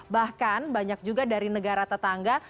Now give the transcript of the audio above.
bahkan banyak juga dari negara tetangga